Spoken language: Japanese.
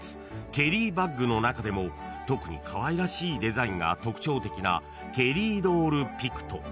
ケリーバッグの中でも特にかわいらしいデザインが特徴的なケリードールピクト］